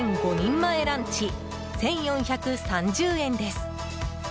前ランチ１４３０円です。